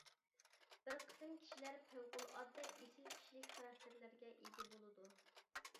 بىر قىسىم كىشىلەر پەۋقۇلئاددە ئېسىل كىشىلىك خاراكتېرلەرگە ئىگە بولىدۇ.